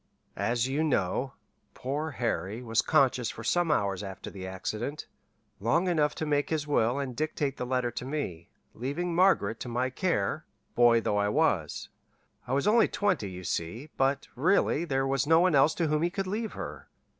"As you know, poor Harry was conscious for some hours after the accident, long enough to make his will and dictate the letter to me, leaving Margaret to my care boy though I was. I was only twenty, you see; but, really, there was no one else to whom he could leave her.